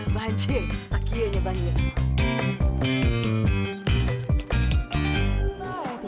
banjir akhirnya banjir